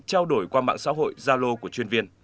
trao đổi qua mạng xã hội gia lô của chuyên viên